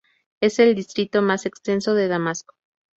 Es el distrito más extenso de Damasco.